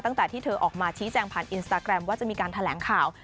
ตั้งแต่ที่เธอออกมาชี้แจงผ่านอินสตาแกรมว่าจะมีการแถลงข่าว